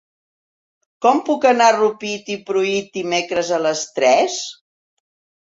Com puc anar a Rupit i Pruit dimecres a les tres?